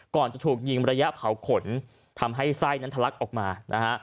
ก่อนจะถูกยิงระยะเผาขนทำให้ไส้นั้นทะลักออกมานะฮะ